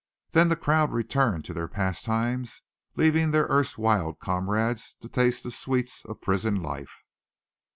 Then the crowd returned to their pastimes, leaving their erstwhile comrades to taste the sweets of prison life.